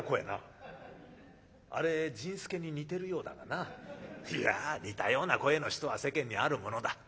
なあれ甚助に似てるようだがないやあ似たような声の人は世間にあるものだ。